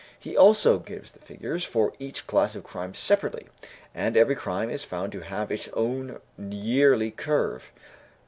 He also gives the figures for each class of crime separately, and every crime is found to have its own yearly curve.